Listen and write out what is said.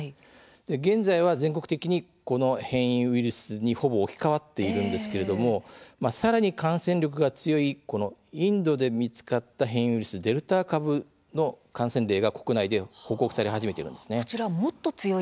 現在は全国的にこの変異ウイルスにほぼ置き換わっているんですがさらに感染力が強いインドで見つかった変異ウイルスデルタ株の感染例が国内で報告され始めているんです。